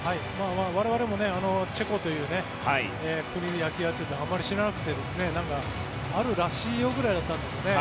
我々もチェコという国野球をやっていてあまり知らなくてあるらしいよぐらいだったんですけどね。